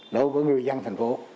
đối với người dân thành phố